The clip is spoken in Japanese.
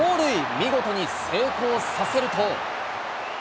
見事に成功させると。